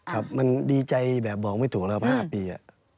ครับมันดีใจแบบบอกไม่ถูกแล้ว๕ปี